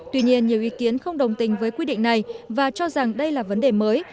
tuy nhiên nhiều ý kiến không đồng tình với quy định này và cho rằng đây là vấn đề mới